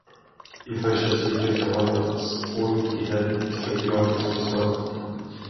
I första stycket behandlas ogiltighet vid förklaringsmisstag.